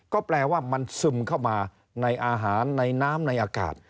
ก็แปลว่ามันซึมเข้ามาในอาหารในน้ำในอากาศ